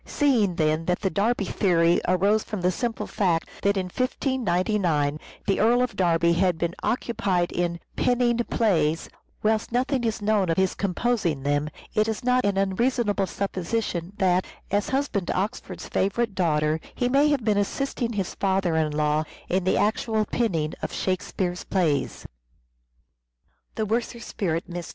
Seeing, then, that the Derby theory arose from the simple POETIC SELF REVELATION 449 fact that in 1599 the Earl of Derby had been occupied in " penning " plays, whilst nothing is known of his composing them, it is not an unreasonable supposition that, as husband to Oxford's favourite daughter, he may have been assisting his father in law in the actual penning of " Shakespeare's " plays.